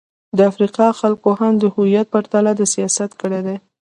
د افریقا خلکو هم د هویت پر تله د سیاست کړې.